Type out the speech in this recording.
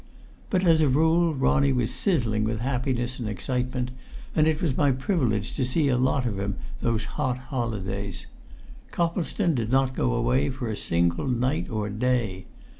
But as a rule Ronnie was sizzling with happiness and excitement; and it was my privilege to see a lot of him those hot holidays. Coplestone did not go away for a single night or day.